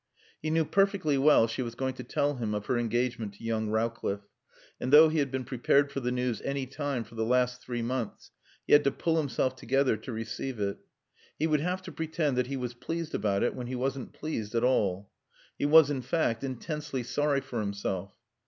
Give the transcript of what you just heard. He knew perfectly well she was going to tell him of her engagement to young Rowcliffe; and though he had been prepared for the news any time for the last three months he had to pull himself together to receive it. He would have to pretend that he was pleased about it when he wasn't pleased at all. He was, in fact, intensely sorry for himself.